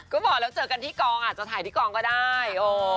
ก็บอกแล้วเจอกันที่กองอาจจะถ่ายที่กองก็ได้